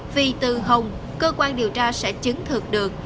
vì từ hồng cơ quan điều tra sẽ chứng thực được